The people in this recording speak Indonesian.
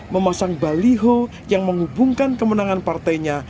memasang baliho yang menghubungkan kemenangan partainya